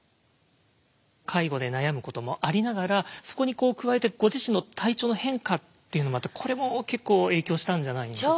介護で悩むこともありながらそこにこう加えてご自身の体調の変化っていうのもこれも結構影響したんじゃないですか？